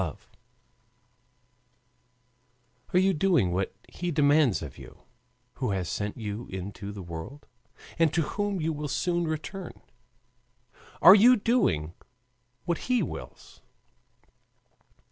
Are you doing what he demands of you who has sent you into the world, and to whom you will soon return? Are you doing what he wills?